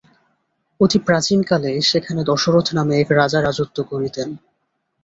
অতি প্রাচীন কালে সেখানে দশরথ নামে এক রাজা রাজত্ব করিতেন।